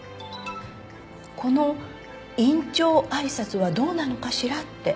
この院長挨拶はどうなのかしらって。